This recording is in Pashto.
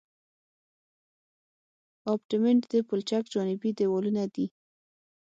ابټمنټ د پلچک جانبي دیوالونه دي